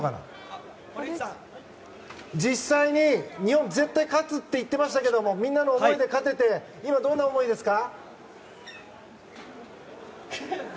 実際に日本、絶対勝つって言っていましたけどみんなの思いで勝てて今、どんな思いですか？